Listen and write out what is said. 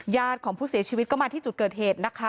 ญาติของผู้เสียชีวิตก็มาที่จุดเกิดเหตุนะคะ